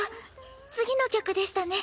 次の曲でしたね。